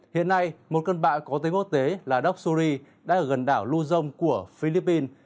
hiện nay một cơn bão có tên ngốc tế là doxuri đã ở gần đảo luzon của philippines